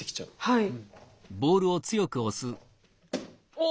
はい。